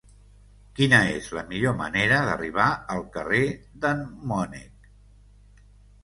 Quina és la millor manera d'arribar al carrer d'en Mònec?